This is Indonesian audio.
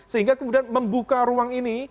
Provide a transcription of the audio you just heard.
sehingga kemudian membuka ruang ini